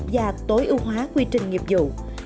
và tối ưu hóa quy trình nghiệp dụ